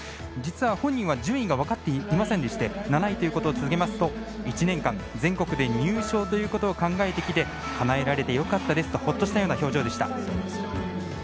本人は順位が分かっていませんでして７位と告げると、１年間入賞ということを考えてきてかなえられてよかったですとほっとした表情でした。